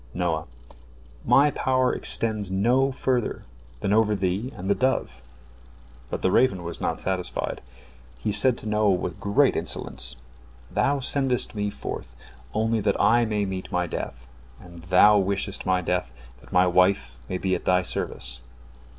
Noah: "My power extends no further than over thee and the dove." But the raven was not satisfied. He said to Noah with great insolence: "Thou sendest me forth only that I may meet my death, and thou wishest my death that my wife may be at thy service."